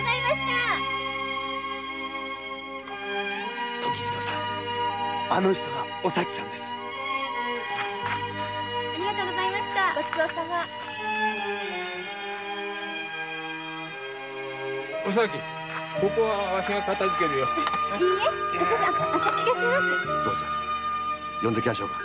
呼んできましょうか？